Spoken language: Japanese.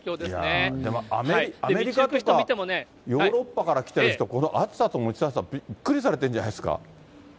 アメリカとかヨーロッパから来てる人、この暑さと蒸し暑さ、びっくりされてるんじゃないです